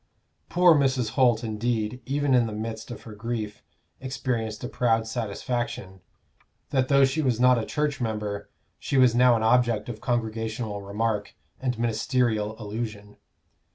Poor Mrs. Holt, indeed, even in the midst of her grief, experienced a proud satisfaction; that though she was not a church member she was now an object of congregational remark and ministerial allusion.